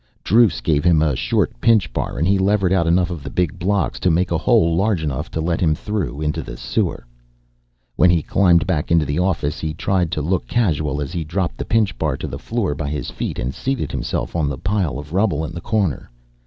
Druce gave him a short pinch bar and he levered out enough of the big blocks to make a hole large enough to let him through into the sewer. When he climbed back into the office he tried to look casual as he dropped the pinch bar to the floor by his feet and seated himself on the pile of rubble in the corner.